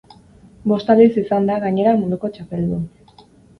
Bost aldiz izan da, gainera, munduko txapeldun.